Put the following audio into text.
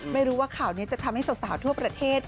ไม่รู้ว่าข่าวนี้จะทำให้สาวทั่วประเทศ